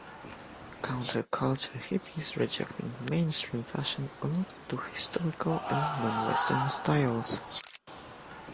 Counterculture Hippies rejecting mainstream fashion looked to historical and non-Western styles.